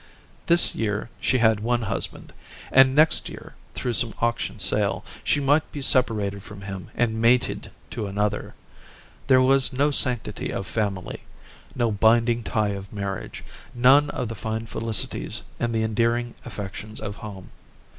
This year she had one husband; and next year, through some auction sale, she might be separated from him and mated to another. There was no sanctity of family, no binding tie of marriage, none of the fine felicities and the endearing affections of home.